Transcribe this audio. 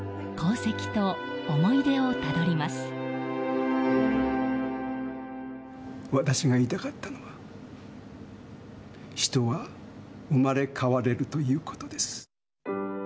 私が言いたかったのは、人は生まれ変われるということです。